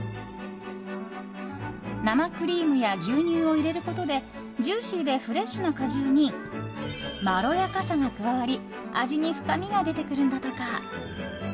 生クリームや牛乳を入れることでジューシーでフレッシュな果汁にまろやかさが加わり味に深みが出てくるんだとか。